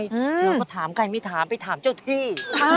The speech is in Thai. เดี๋ยวก็ถามกันไม่ถามไปถามเจ้าที่